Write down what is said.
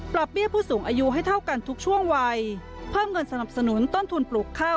เบี้ยผู้สูงอายุให้เท่ากันทุกช่วงวัยเพิ่มเงินสนับสนุนต้นทุนปลูกข้าว